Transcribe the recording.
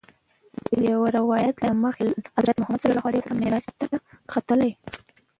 د یوه روایت له مخې حضرت محمد صلی الله علیه وسلم معراج ته ختلی.